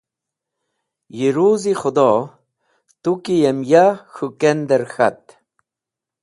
Yi ruz-e Khudo tu ki yem ya k̃hũ kender k̃hat.